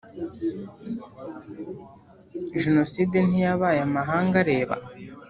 jenoside ntiyabaye amahanga areba?